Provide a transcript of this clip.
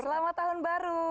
selamat tahun baru